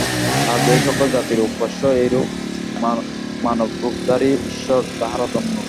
আর যে-সকল জাতির উপাস্য এইরূপ মানবরূপধারী ঈশ্বর, তাহারা ধন্য।